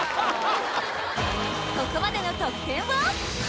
ここまでの得点は？